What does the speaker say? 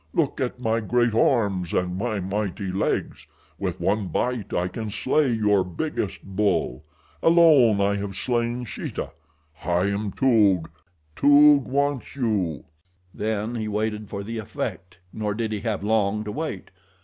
Look at my great arms and my mighty legs. With one bite I can slay your biggest bull. Alone have I slain Sheeta. I am Toog. Toog wants you." Then he waited for the effect, nor did he have long to wait.